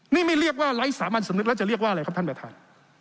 นี่ไม่เรียกว่าไร้สามัญสำนึกแล้วจะเรียกว่าอะไรครับท่านประธาน